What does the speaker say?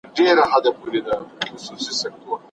پلرونه د روغتیا په برخه کي څه دنده لري؟